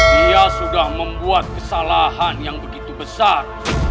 dia sudah membuat kesalahan yang begitu besar